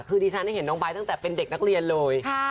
คือดิฉันเห็นน้องไบท์ตั้งแต่เป็นเด็กนักเรียนเลย